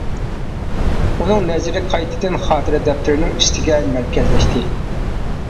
ئۇنىڭ نەزىرى قايتىدىن خاتىرە دەپتىرىنىڭ ئۈستىگە مەركەزلەشتى.